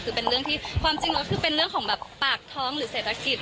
คือเป็นเรื่องที่ความจริงเราก็คือเป็นเรื่องของแบบปากท้องหรือเสร็จลักษณ์จิต